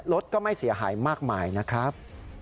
รถก็ไม่เสียหายมากมายนะครับ